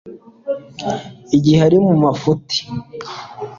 igihe ari mu mafuti